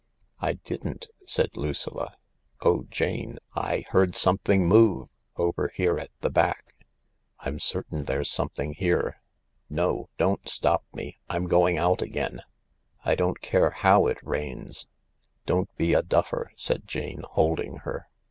" I didn't," said Lucilla. " Oh, Jafle— I heard something move over here at the back ! I'm certain there's something here— no, don't stop me. I'm going out again ; I don't care how it rains " "Don't be a duffer," said Jane, holding her.